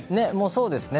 そうですね。